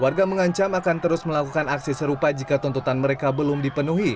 warga mengancam akan terus melakukan aksi serupa jika tuntutan mereka belum dipenuhi